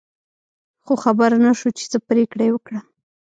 خو خبر نه شو چې څه پرېکړه یې وکړه.